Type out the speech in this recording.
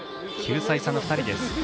９歳差の２人です。